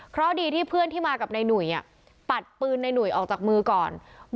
เพราะดีที่เพื่อนที่มากับนายหนุ่ยปัดปืนในหนุ่ยออกจากมือก่อน